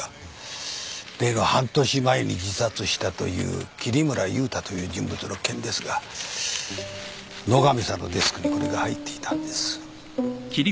では半年前に自殺したという桐村祐太という人物の件ですが野上さんのデスクにこれが入っていたんです。